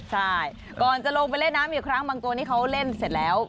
ใช่ก่อนจะลงไปเล่นน้ำอีกครั้งบางโกนี่เขาเล่นเสร็จแล้ว